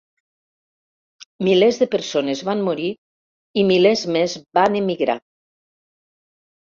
Milers de persones van morir i milers més van emigrar.